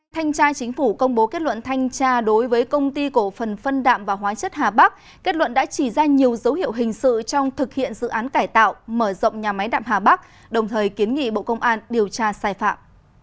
thanh tra chính phủ công bố kết luận thanh tra đối với công ty cổ phần phân đạm và hóa chất hà bắc kết luận đã chỉ ra nhiều dấu hiệu hình sự trong thực hiện dự án cải tạo mở rộng nhà máy đạm hà bắc đồng thời kiến nghị bộ công an điều tra sai phạm